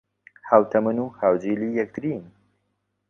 ھاوتەمەن و ھاوجیلی یەکترین